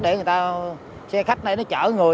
để xe khách này nó chở người